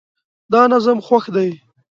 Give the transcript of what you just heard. دا نظم خوښ دی